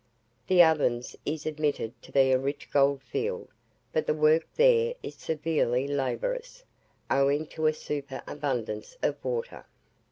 The Ovens is admitted to be a rich gold field, but the work there is severely laborious, owing to a super abundance of water.